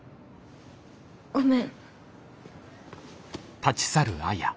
ごめん。